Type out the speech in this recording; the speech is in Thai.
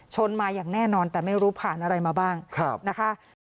ชนมาอย่างแน่นอนแต่ไม่รู้ผ่านอะไรมาบ้างนะคะ